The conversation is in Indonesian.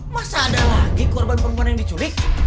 masa ada lagi korban perempuan yang diculik